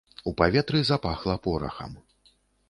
У паветры запахла порахам.